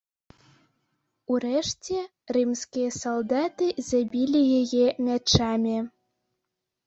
Урэшце, рымскія салдаты забілі яе мячамі.